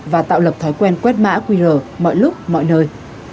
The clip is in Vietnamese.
và tạo lập thói quen quét mã qr mọi lúc mọi nơi